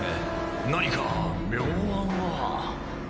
何か妙案は。